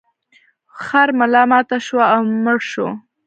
خر ملا ماته شوه او مړ شو.